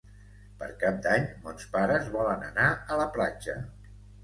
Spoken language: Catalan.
Per Cap d'Any mons pares volen anar a la platja.